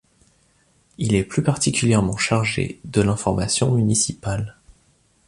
Il est plus particulièrement chargé de l'information municipale.